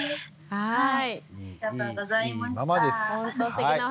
はい。